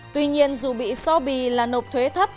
tuy nhiên dù bị so bì là nộp thuế thấp